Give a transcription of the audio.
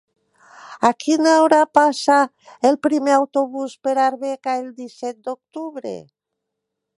A quina hora passa el primer autobús per Arbeca el disset d'octubre?